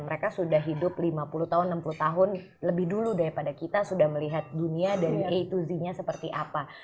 mereka sudah hidup lima puluh tahun enam puluh tahun lebih dulu daripada kita sudah melihat dunia dari a dua z nya seperti apa